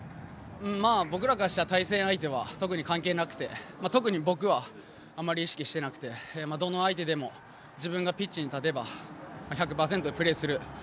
僕らは対戦相手は関係なく特に僕はあまり意識していなくてどの相手でも自分がピッチに立てば１００％プレーする。